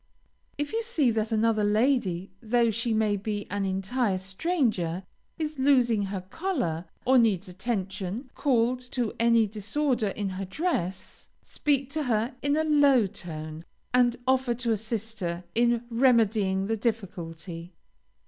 If you see that another lady, though she may be an entire stranger, is losing her collar, or needs attention called to any disorder in her dress, speak to her in a low tone, and offer to assist her in remedying the difficulty.